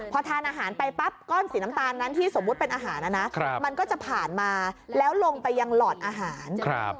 พอทานอาหารไปปั๊บก้อนสีน้ำตาลนั้นที่สมมุติเป็นอาหารนะนะมันก็จะผ่านมาแล้วลงไปยังหลอดอาหาร